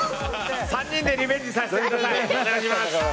３人でリベンジさせてください！